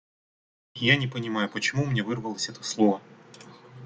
Я не понимаю, почему у меня вырвалось это слово.